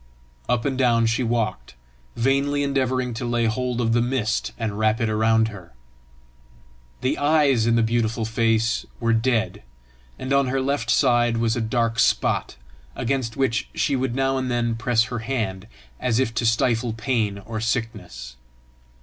Up and down she walked, vainly endeavouring to lay hold of the mist and wrap it around her. The eyes in the beautiful face were dead, and on her left side was a dark spot, against which she would now and then press her hand, as if to stifle pain or sickness.